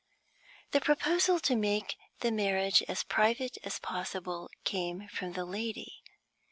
The proposal to make the marriage as private as possible came from the lady.